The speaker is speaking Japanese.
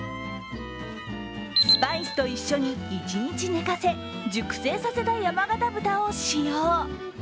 スパイスと一緒に一日寝かせ熟成させた山形豚を使用。